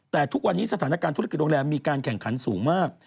แต่ทุกวันนี้สถานการณ์ธุรกิจโรงแรมมีการแข่งขันสูงมาก